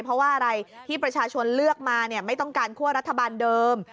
เพราะว่าอะไรที่ประชาชนเลือกมาไม่ต้องการคั่วรัฐบาลเดิม